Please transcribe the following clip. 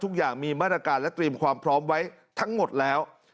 ทุกอย่างมีมาตรการและเตรียมความพร้อมไว้ทั้งหมดแล้ว